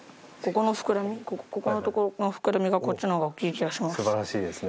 ここの膨らみここのところの膨らみがこっちの方が大きい気がします。